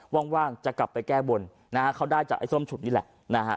ว่างจะกลับไปแก้บนนะฮะเขาได้จากไอ้ส้มฉุดนี่แหละนะฮะ